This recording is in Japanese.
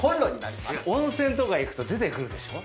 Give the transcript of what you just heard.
温泉とか行くと出てくるでしょ。